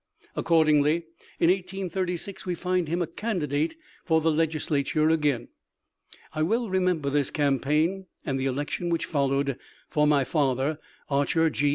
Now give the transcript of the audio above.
Accordingly, in 1836 we find him a candidate for the Legislature again. I well remember this campaign and the election which followed, for my father, Archer G.